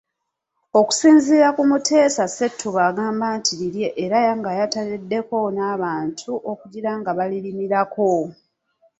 Okusinziira ku Muteesa Ssettuba agamba nti lirye era nga yataddeko n'abantu okugira nga balirimirako.